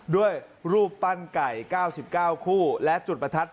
รูปปั้นไก่๙๙คู่และจุดประทัด